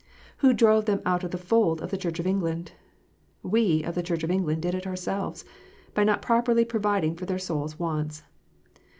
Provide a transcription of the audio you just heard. Who drove them out of the fold of the Church of England 1 We of the Church of England did it ourselves, by not properly providing for their souls wants.